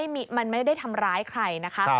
มันไม่ได้ทำร้ายใครนะคะ